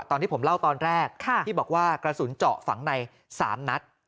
ตอนที่ผมเล่าตอนแรกที่บอกว่ากระสุนเจาะฝังใน๓นัด